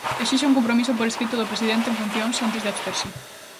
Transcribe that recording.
Esixe un compromiso por escrito do presidente en funcións antes de absterse.